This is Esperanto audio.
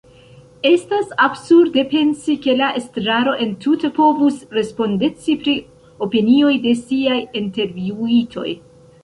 Estas absurde pensi ke la estraro entute povus respondeci pri opinioj de “siaj” intervjuitoj.